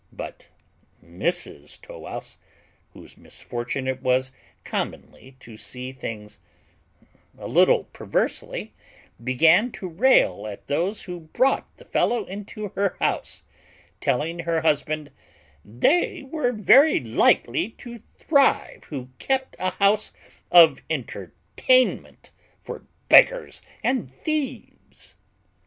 But Mrs Tow wouse, whose misfortune it was commonly to see things a little perversely, began to rail at those who brought the fellow into her house; telling her husband, "They were very likely to thrive who kept a house of entertainment for beggars and thieves."